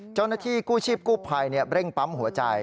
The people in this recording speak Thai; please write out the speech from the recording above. เจ้าหน้าที่กู้ชีพกู้ภัยเร่งปั๊มหัวใจ